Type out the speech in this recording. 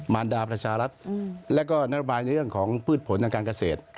รดาประชารัฐแล้วก็นโยบายในเรื่องของพืชผลทางการเกษตร